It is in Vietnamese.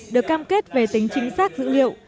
được cam kết về tính chính xác dữ liệu